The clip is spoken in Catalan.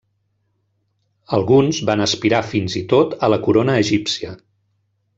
Alguns van aspirar fins i tot a la corona egípcia.